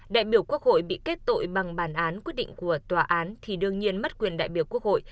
đại biểu quốc hội bị kết tội bằng bản án quyết định của tòa án thì đương nhiên mất quyền đại biểu quốc hội